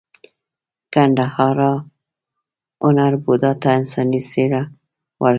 ګندهارا هنر بودا ته انساني څیره ورکړه